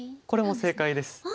これも正解です。